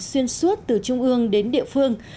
xuyên suốt từ trung ương đến địa phương